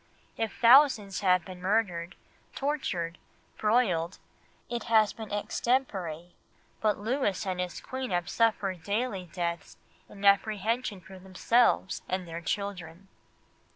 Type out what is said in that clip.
If thousands have been murdered, tortured, broiled, it has been extempore; but Louis and his Queen have suffered daily deaths in apprehension for themselves and their children."